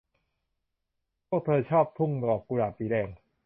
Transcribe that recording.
พวกเธอชอบทุ่งดอกกุหลาบสีแดง